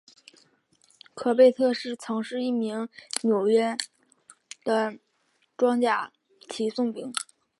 科贝特曾是一名纽约的装甲骑送兵。